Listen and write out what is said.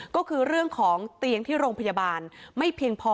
ก็คือเรื่องของเตียงที่โรงพยาบาลไม่เพียงพอ